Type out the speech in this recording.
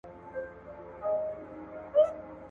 لېوني تې ويل ورور لرې، ده ول تاتې در وښيم چي مړ ئې کې.